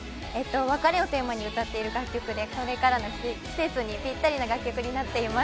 別れをテーマに歌っている楽曲で、これからの季節にぴったりな楽曲になっています。